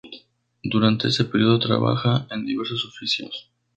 Durante ese período trabaja en diversos oficios.